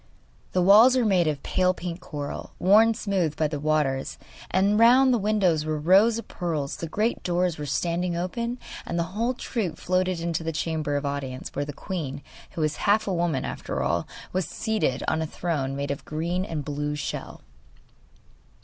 The walls were made of pale pink coral, worn smooth by the waters, and round the windows were rows of pearls; the great doors were standing open, and the whole troop floated into the chamber of audience, where the queen, who was half a woman after all, was seated on a throne made of a green and blue shell.